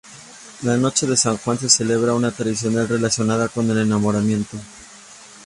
La noche de San Juan se celebra una tradición relacionada con el enamoramiento.